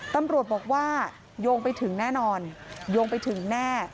ตำรวจบอกว่าโยงไปถึงแน่นอนโยงไปถึงแน่